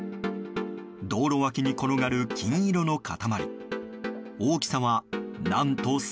道路脇に転がる金色の塊。